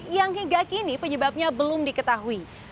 yang hingga kini penyebabnya belum diketahui